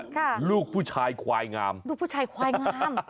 ลูกผู้ชายควายงามลูกผู้ชายควายงาม